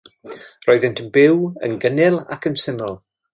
Roeddynt yn byw yn gynnil ac yn syml.